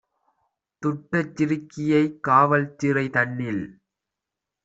துட்டச் சிறுக்கியைக் காவற்சிறை - தன்னில்